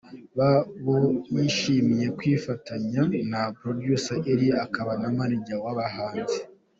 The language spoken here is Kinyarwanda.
Babo yishimiye kwifatanya na Producer Eliel akaba na Manager w'abahanzi .